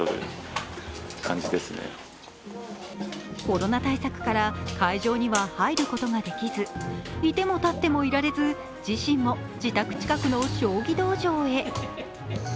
コロナ対策から、会場には入ることができず、いても立ってもいられず自身も自宅近くの将棋道場へ。